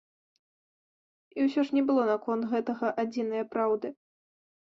І ўсё ж не было наконт гэтага адзінае праўды.